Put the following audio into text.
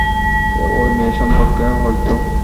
ঐ মেয়ের সম্পর্কে, হয়তো?